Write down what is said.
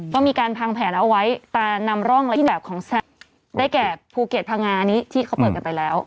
ก็มีการพังแผนเอาไว้แต่นำร่องอะไรที่แบบของได้แก่ภูเก็ตพังงานี้ที่เขาเปิดกันไปแล้ว